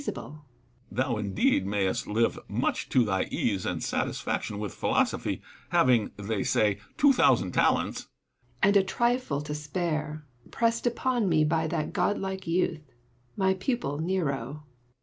Thou, indeed, mayest live much to thy ease and satisfaction with philosophy, having (they say) two thousand talents.